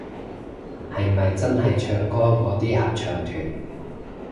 係咪真係唱歌嗰啲合唱團